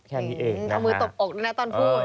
แค่นี้เองนะฮะ